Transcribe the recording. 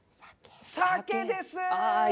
鮭です。